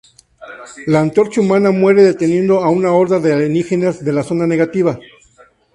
La Antorcha Humana muere deteniendo a una horda de alienígenas de la Zona Negativa.